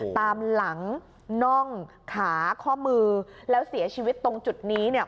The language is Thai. ตามหลังน่องขาข้อมือแล้วเสียชีวิตตรงจุดนี้เนี่ย